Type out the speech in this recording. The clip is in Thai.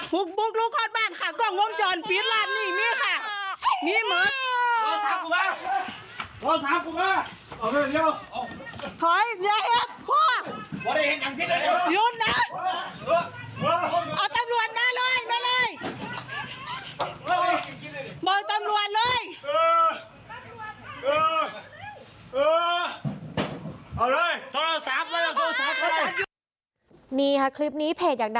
ปลูกลูกข้อตบันค่ะกล้องลุมจอนลันนี่นี่ค่ะ